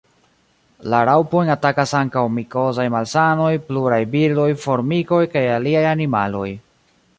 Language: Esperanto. La raŭpojn atakas ankaŭ mikozaj malsanoj, pluraj birdoj, formikoj kaj aliaj animaloj.